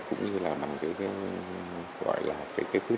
cũng như là bằng cái phương thức nghệ thuật